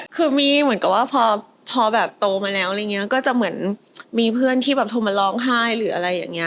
คือมีเหมือนกับว่าพอโตมาแล้วมีเพื่อนที่โทรมาร้องไห้